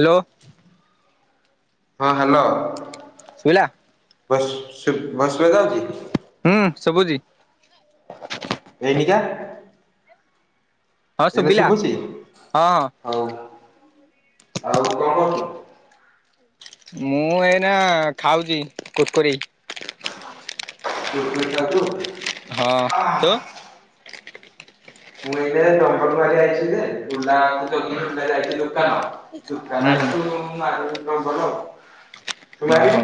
Hello. ହଁ hello. ଶୁଇଲା। ବସ୍ ଶ ବସ୍ଵେଦା ଯାଉଚି। ହୁଁ ସବୁଛି। ଏଇନକା। ହଁ ଏନେ ଶୁଭିଲା ଶୁଭୁଛି ହଁ ହଁ ହଉ ଆଉ କଣ କରଛୁ? ମୁଁ ଏଇନା ଖାଉଛି କୁରକୁରି। [unintelligible] ହଁ ତ ମୁଁ ଏଇ ଡଙ୍ଗର ମାର ଆଇଛି। ହୁଁ ହୁଁ ଓହୋ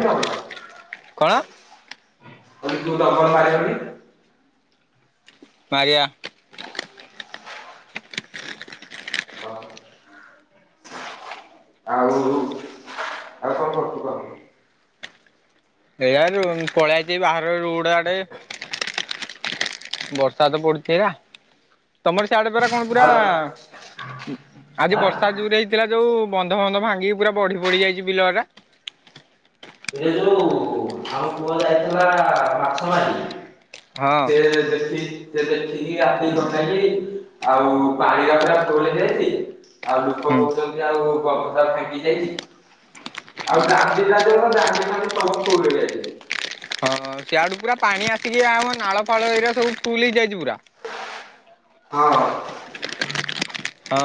କଣ [unintelligible] ଦବ। [unintelligible] ମାରିଆ। ହଁ। ଆଉ ଆଉ କଣ କରଛୁ କ? ଏଇଟା ପଳଆଚ ବାହର ରୁଡ଼ ଆଡେ। ବର୍ଷା ତ ପଡୁଥିଲା ତମର ସିଆଡେ ପରା କଣ ପୁରା ଆଉ ହୁଁ। ଆଜି ଆଁ ବର୍ଷା ଯୁରେ ହେଇଥିଲା ଯୋଉ ବନ୍ଧ ବନ୍ଧ ଭାଙ୍ଗିକି ପୁରା ବଢି ବଢି ଯାଇଛି ବିଲ ଟା। ଏ ଯୋଉ ଆମ ପୁଅ ଯାଇଥିଲା ମାଛ ମାରି। ହଁ ସେ ଦେଖିଚି। ଦେଖିକି ରାତି କଟେଇଲି ଆଉ ପାଳଆ ଫୁଲ ହେଇଯାଇଛି। ଆଉ ଲୋକ ହୁଁ କହୁଛନ୍ତି ଆଉ ଗବସା ଫାଙ୍ଗି ଯାଇଛି। [unintelligible] ଆ ତତେ ସବୁ କଉଛନ୍ତି। [unintelligible] ହଁ ସିଆଡୁ ପୁରା ପାଣି ଆସିକି ଆ ନାଳ ଫାଳ ଏଇରା ସବୁ ଫୁଲ ହେଇଯାଇଛି ପୁରା। ହଁ। ହଁ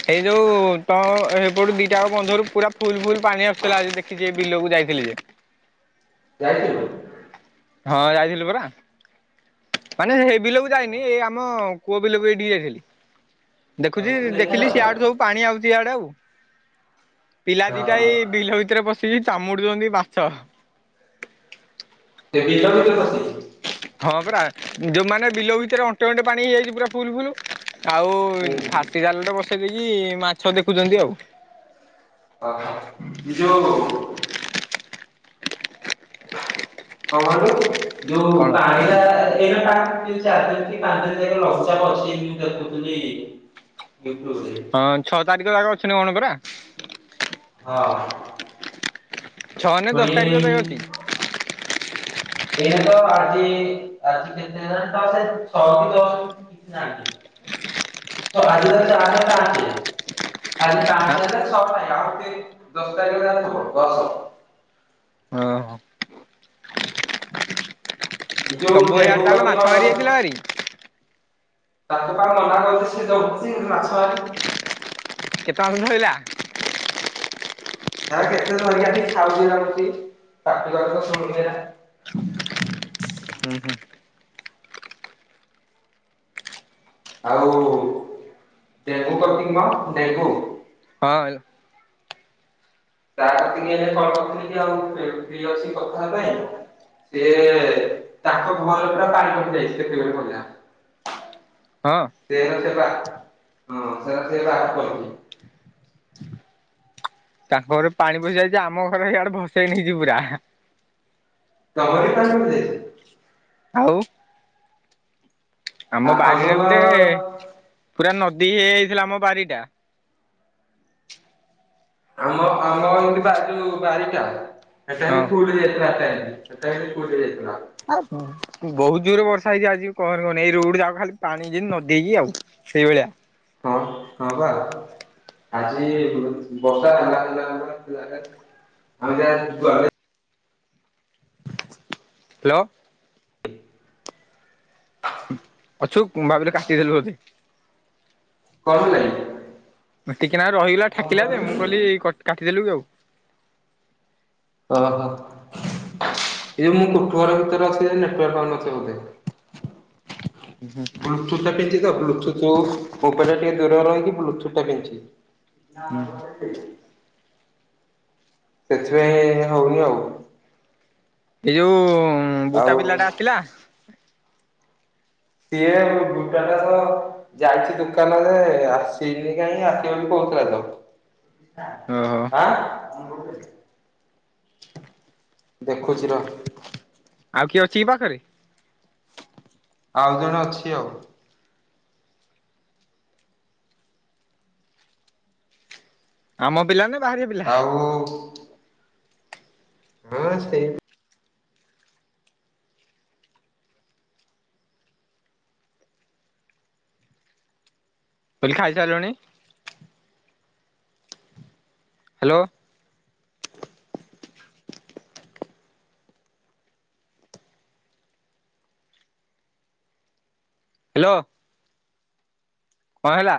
ସେଇ ଯୋଉ ତ ସେପଟୁ ଦିଟା ଆଙ୍କ ବନ୍ଧରୁ ପୁରା ଫୁଲ ଫୁଲ ପାଣି ଆସୁଥିଲା ଆଜି। ଆଖିଛି ବିଲକୁ ଯାଇଥିଲି ଯେ। ଯାଇଥିଲୁ। ହଁ ଯାଇଥିଲି ପରା। ମାନେ ସେ ବିଲକୁ ଯାଇନି ଏଇ ଆମ କୂଅ ବିଲକୁ ଏଇ ଟିକେ ଯାଇଥିଲି। ଦେଖୁଛି ତୁ ଦେଖିଲି ଦେଖାଯାଉନି? ସିଆଡେ ସବୁ ପାଣି ଆଉଛି ଇଆଡେ ଆଉ। ପିଲା ଦିଟା ଏଇ ବିଲ ଭିତରେ ପଶିଛି ଚାମୁଡୁଛନ୍ତି ମାଛ। ସେ ବିଲ କେତେ ବସିଛି? ହଁପରା, ଯୋଉ ମାନେ ବିଲ ଭିତରେ ଅଣ୍ଟେ ଅଣ୍ଟେ ପାଣି ହେଇଯାଇଛି ପୁରା ଫୁଲ ଫୁଲ। ଆଉ ଫାସୀ ଜାଲଟରେ ବସେଇ ଦେଇକି ମାଛ ଦେଖୁଛନ୍ତି ଆଉ। ହଁ। [unintelligible] ନିଜକୁ। କଣ ଯଉ ପାଣି ଟା ଏଇନା ପା। ଆଁ ଚାର ଟା କି ପାଞ୍ଚ ଟା ଜାଗା ରେ ଲସା ପଶି ଯାଇଛି ମୁଁ ଦେଖୁଥିଲି ଏଇପଟୁ ବୋଧେ। ହଁ ଛଅ ତାରିଖ ଜାକ ଅଛନ୍ତି କଣ ପରା। ହଁ। ଛଅ ନା ପୁଣି ଦଶ ତାରିଖ ଯାଏଁ ଅଛି? ଏଇନେ ତ ଆଜି ଆଜି କେତେ ହେଲାଣି ତ ସେଇ ଛ କି ଦଶ ମୁଁ ଠିକ୍ ସେ ଜାଣିନି। ଛ ଆଜି ଧର ଚାରି ପାଞ୍ଚ ଆଜି ହଁ ପାଞ୍ଚ ହେଲେ ଛ ନାଇ ଆଉ ଟିକେ ଦଶ ତାରିଖ ଯାଏଁ ରହିଥିବ ଦସ। ଓହୋ। ଏ ଯୋଉ ତମ୍ବୁ ଡେଙ୍ଗୁ ହିଆଡେ ତାହେଲେ ମାଛ ମାରି ପ୍ରତି ଯାଇଥିଲା ହେରି। ତାକୁ ପା ମୁଁ ମନା କରିଛି ସେ ଯାଉଚି ମାଛ ଆ କେତେ ମାଛ ଧରିଲା? ହେ କେତେ ଧରିଲା ସେଠି ଖାଉଛି ତାର ବସି ତାକୁ କହିଲେ ତ ଶୁଣୁନି ନା। ହୁଁ ହୁଁ। ଆଉ ଡେଗୁ କତିକ କଣ ଡେଗୁ। ହଁ ତା କତିକି ଏଇନେ କଲ୍ କରିଥିଲି କି ଆଉ ଫ୍ରି ଫ୍ରି ଅଛି କଥା ହବା ପାଇଁ। ସିଏ ତାଙ୍କ ଘରେ ପୁରା ପାଣି ପଶି ଯାଇଛି ଦେଖିବୁ। [unintelligible] ହଁ। ସେୟା ସେ ବା ହଁ ସେ ସେବା ଆକୁ କରୁଚି। ତାଙ୍କ ଘରେ ପାଣି ପଶି ଯାଇଛି ଆମ ଘର ଇଆଡେ ଭସେଇ ନେଇଛି ପୁରା। ତମରି ବି ପାଣି ପଶି ଯାଇଛି। ଆଉ। ଆମ ବାରିରେ ଆମର ଗୋଟେ ପୁରା ନଦୀ ହେଇଯାଇଥିଲା ଆମ ବାରିଟା। ଆମ ଆମ ର ଯଉଠି ବା ଯଉ ବାରିଟା ସେଟା ହଁ। ସେମିତି ଫୁଲ ହେଇଯାଇଥିଲା। [unintelligible] ସେଟା ସେମିତି ଫୁଲ ହେଇଯାଇଥିଲା। ଆଉ ବହୁତ ଜୋରରେ ବର୍ଷା ହେଇଛି ଆଜି କହନି କହନି ଏଇ ରୋଡ ଯାକ ଖାଲି ପାଣି ଯେ ନଦୀ କି ଆଉ। ସେଇଭଳିଆ। ହଁ ହଁ ପା। ଆଜି ବର୍ଷା ହେଲା [unintelligible] ହେଲା କାର ଆମେ [unintelligible] ହାଲୋ। ଅଛୁ ମୁଁ ଭାବିଲି କାଟି ଦେଲୁ ବୋଧେ। କଣ ହେଲ କି? ଟିକେ ନାଗୁ ରହିଲା ଠାକିଲା ଯେ କି? ମୁଁ କହିଲି କ-କାଟିଦେଲୁ କି ଆଉ। ଓହୋ। ଇଏ ମୁଁ କୋଠଘର ଭିତରେ ବସିଚି [unintelligible] ନେଟୱାର୍କ ପାଉନଥିବ ବୋଧେ। ଉଁ ହୁଁ। ବ୍ଲୁଟୁଥ ଟା ପିନ୍ଧିଚି ତ ବ୍ଲୁଚୁଥ ଉପରେ ଟିକେ ଦୂରରେ ରହିକି ବ୍ଲୁଟୁଥ୍ ଟା ପିନ୍ଧିଚି। ନା ଭାଇ। ସେଥିପାଇଁ ହଉନି ଆଉ। ଏ ଯଉଁ ଆଉ ବୁଟା ପିଲାଟା ଆସିଲା। ସିଏ ବୁ-ବୁଟା ଟା ସହ। ଯାଇଛି ଦୋକାନ ରେ ଆସିନି କାହିଁ ଆସିବ ବୋଲି କହୁଥିଲା ତ। ଓହୋ ଆଁ। ଦେଖୁଛି ରହ୍। ଆଉ କିଏ ଅଛି କି ପାଖରେ? ଆଉ ଜଣେ ଅଛି ଆଉ। ଆମ ପିଲା ନା ବାହାରିଆ ପିଲା? ଆଉ। ହଁ ସେ। କାଇଲି ଖାଇସାରଲୁଣି? ହ୍ୟାଲୋ। ହ୍ୟାଲୋ। କଣ ହେଲା?